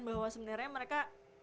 bahwa sebenarnya mereka